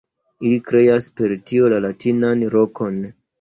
Ili kreas per tio la latinan rokon.